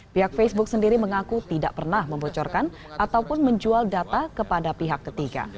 pihak facebook sendiri mengaku tidak pernah membocorkan ataupun menjual data kepada pihak ketiga